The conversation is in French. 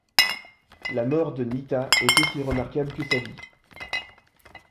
La mort de Nitta est aussi remarquable que sa vie.